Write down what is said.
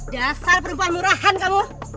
dasar perempuan murahan kamu